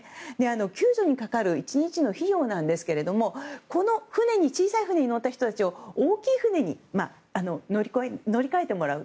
救助にかかる１日の費用なんですけどもこの小さい船に乗った人たちに大きな船に乗り換えてもらう。